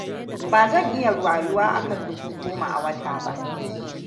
Ba zan iya rayuwa kan dubu goma a wata ba.